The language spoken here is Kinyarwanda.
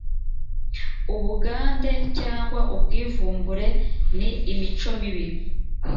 ubugande cyangwa ubwivumbure ni imico mibi